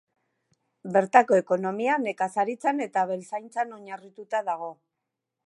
Bertako ekonomia nekazaritzan eta abeltzaintzan oinarrituta dago.